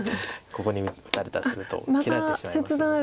ここに打たれたりすると切られてしまいますので。